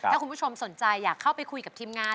ถ้าคุณผู้ชมสนใจอยากเข้าไปคุยกับทีมงาน